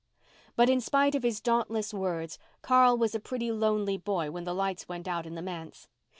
But in spite of his dauntless words Carl was a pretty lonely boy when the lights went out in the manse.